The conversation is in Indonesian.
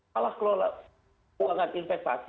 salah kelola uang investasi